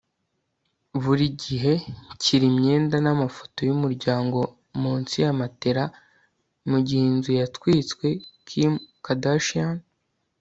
buri gihe nshyira imyenda n'amafoto y'umuryango munsi ya matelas, mu gihe inzu yatwitse. - kim kardashian